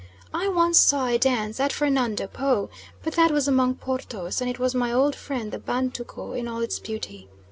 I once saw a dance at Fernando Po, but that was among Portos, and it was my old friend the Batuco in all its beauty.